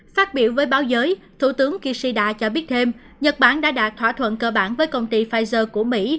phát biểu với báo giới thủ tướng kishida cho biết thêm nhật bản đã đạt thỏa thuận cơ bản với công ty pfizer của mỹ